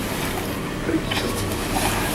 Riĉo